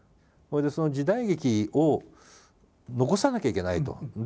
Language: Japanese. それでその時代劇を残さなきゃいけないと。